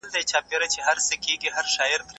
هغه څوک چي ځان پیژني عاقل دی.